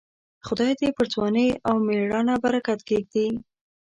خدای دې پر ځوانۍ او مړانه برکت کښېږدي.